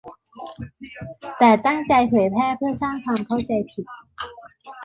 แต่ตั้งใจเผยแพร่เพื่อสร้างความเข้าใจผิด